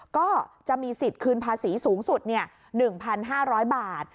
ก็จะมีสิทธิ์คืนภาษีสูงสุด๑๕๐๐บาท